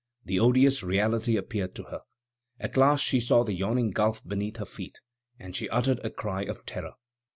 The odious reality appeared to her. At last she saw the yawning gulf beneath her feet, and she uttered a cry of terror.